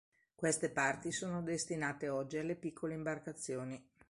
Queste parti sono destinate oggi alle piccole imbarcazioni.